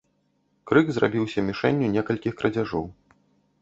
Крык зрабіўся мішэнню некалькіх крадзяжоў.